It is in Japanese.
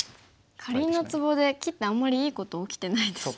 かりんのツボで切ってあんまりいいこと起きてないですね。